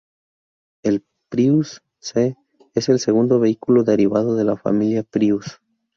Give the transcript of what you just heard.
El Prius c es el segundo vehículo derivado de la familia Prius.